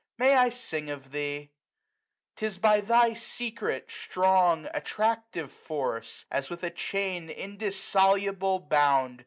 may I sing of thee? 'Tis by thy secret, strong, attractive force. As with a chain indissoluble bound.